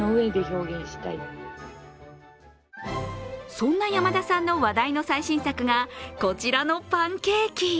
そんな山田さんの話題の最新作がこちらのパンケーキ。